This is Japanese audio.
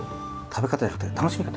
食べ方じゃなくて楽しみ方？